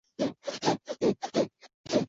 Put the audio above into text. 喜欢的艺人是黑木美纱。